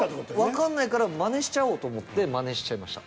わかんないから真似しちゃおうと思って真似しちゃいました。